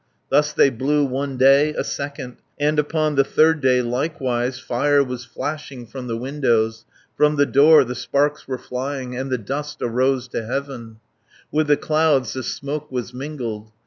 Thus they blew one day, a second, And upon the third day likewise. Fire was flashing from the windows, From the door the sparks were flying 400 And the dust arose to heaven; With the clouds the smoke was mingled.